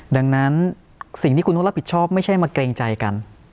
ดังนั้นสิ่งที่คุณต้องรับผิดชอบไม่ใช่มาเกรงใจกัน